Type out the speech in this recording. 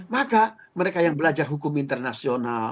maka mereka yang belajar hukum internasional